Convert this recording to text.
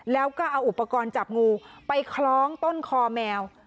แล้วก็เอาอุปกรณ์จับงูไปคล้องต้นคอแมว